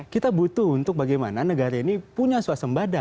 kita butuh untuk bagaimana negara ini punya suasembada